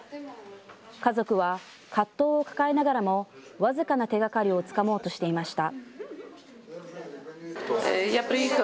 家族は葛藤を抱えながらも、僅かな手がかりをつかもうとしていました。